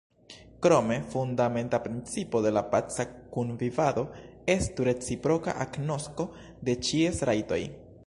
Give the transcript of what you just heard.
Krome, fundamenta principo de paca kunvivado estu reciproka agnosko de ĉies rajtoj.